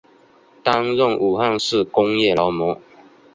担任武汉市工业劳模。